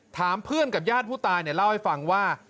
ถามเพื่อนกับญาติผู้ตายเนี่ยเล่าให้ฟังว่า